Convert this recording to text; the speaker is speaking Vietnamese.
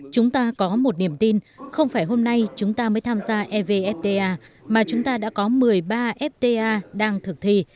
chúng ta có một niềm tin không phải hôm nay chúng ta mới tham gia evfta mà chúng ta đã có một mươi ba fta đang thực thi